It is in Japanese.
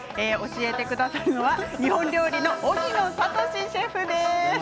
教えてくださるのは日本料理の荻野聡士シェフです。